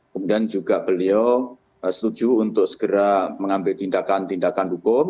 kemudian juga beliau setuju untuk segera mengambil tindakan tindakan hukum